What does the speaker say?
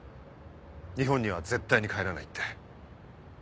日本には絶対に帰らないって。